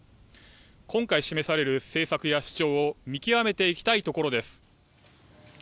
今回示される政策や主張を見極めていきたいところです。